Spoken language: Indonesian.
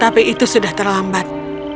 tapi itu sudah terlambat